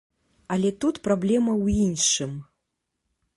Але тут праблема ў іншым.